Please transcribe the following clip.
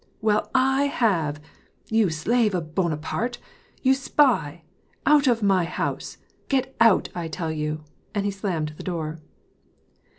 " Well, I have. You slave of Bonaparte ! You spy ! Out of my house ! (ret out, I tell you !" and he slammed the door.